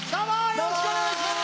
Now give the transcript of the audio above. よろしくお願いします！